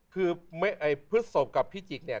คือพฤศพกับพิจิกเนี่ย